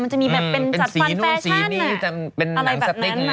มันจะมีแบบเป็นจัดฟันแฟชั่นอะไรแบบนั้น